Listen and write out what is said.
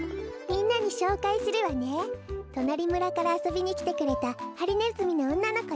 みんなにしょうかいするわね。となりむらからあそびにきてくれたハリネズミのおんなのこよ。